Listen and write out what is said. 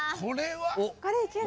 これいける。